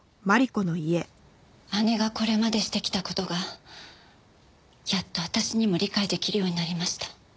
姉がこれまでしてきた事がやっと私にも理解出来るようになりました。